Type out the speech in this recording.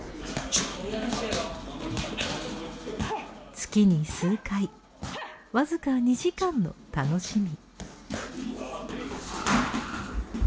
月に数回わずか２時間の楽しみ。